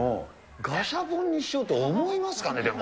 ガシャポンにしようと思いますかね、でも。